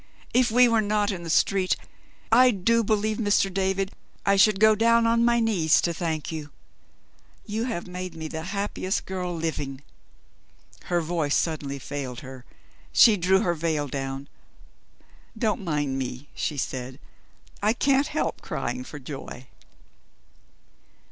"If we were not in the street, I do believe, Mr. David, I should go down on my knees to thank you! You have made me the happiest girl living." Her voice suddenly failed her; she drew her veil down. "Don't mind me," she said; "I can't help crying for joy."